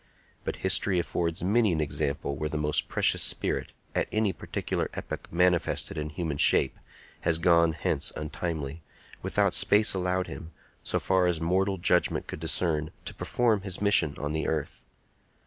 But history affords many an example where the most precious spirit, at any particular epoch manifested in human shape, has gone hence untimely, without space allowed him, so far as mortal judgment could discern, to perform his mission on the earth.